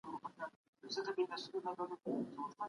په څېړنه کې تعصب یو بد کار دی.